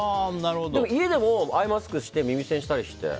でも、家でもアイマスクして耳栓したりして。